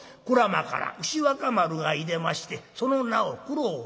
「『鞍馬から牛若丸がいでましてその名を九郎判官』。